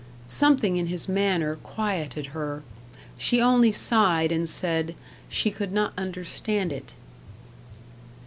Something in his manner quieted her. She only sighed and said, "she could not understand it."